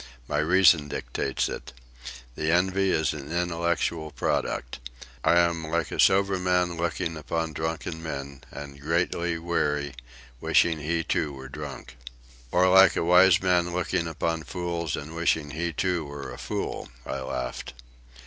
My reason dictates it. The envy is an intellectual product. I am like a sober man looking upon drunken men, and, greatly weary, wishing he, too, were drunk." "Or like a wise man looking upon fools and wishing he, too, were a fool," I laughed.